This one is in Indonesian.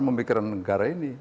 memikirkan negara ini